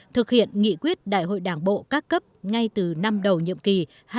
thực hiện nghị quyết đại hội đảng bộ các cấp ngay từ năm đầu nhiệm kỳ hai nghìn hai mươi hai nghìn hai mươi năm